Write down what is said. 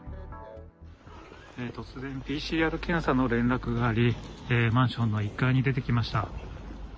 突然ＰＣＲ検査の連絡があり、マンションの１階に出てきました。